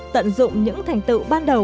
tận dụng những thành tựu ban đầu